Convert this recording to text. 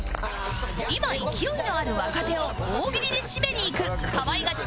今勢いのある若手を大喜利でシメにいく『かまいガチ』